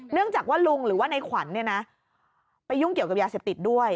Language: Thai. เนื่องจากว่าลุงหรือว่าในขวัญไปยุ่งเกี่ยวกับยาเสพติดด้วย